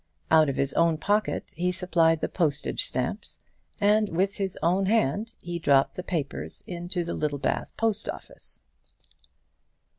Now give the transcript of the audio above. Out of his own pocket he supplied the postage stamps, and with his own hand he dropped the papers into the Littlebath post office.